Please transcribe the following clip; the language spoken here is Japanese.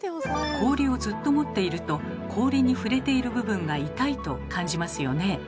氷をずっと持っていると氷に触れている部分が痛いと感じますよね。